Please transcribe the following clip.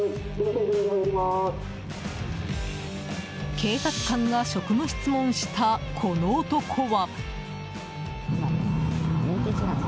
警察官が職務質問したこの男は。